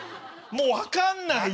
もう分かんない。